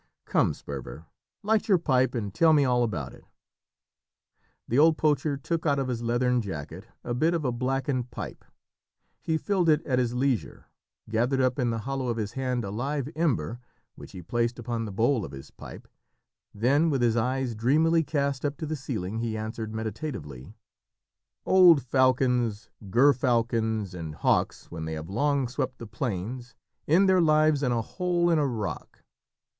Come, Sperver, light your pipe, and tell me all about it." The old poacher took out of his leathern jacket a bit of a blackened pipe; he filled it at his leisure, gathered up in the hollow of his hand a live ember, which he placed upon the bowl of his pipe; then with his eyes dreamily cast up to the ceiling he answered meditatively "Old falcons, gerfalcons, and hawks, when they have long swept the plains, end their lives in a hole in a rock.